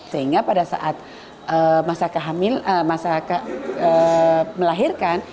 sehingga pada saat masyarakat melahirkan